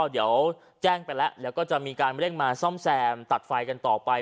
เดี๋ยวแจ้งไปแล้วแล้วก็จะมีการเร่งมาซ่อมแซมตัดไฟกันต่อไป